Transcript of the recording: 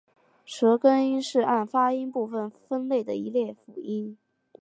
舌根音是按发音部位分类的一类辅音。